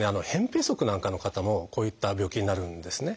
「扁平足」なんかの方もこういった病気になるんですね。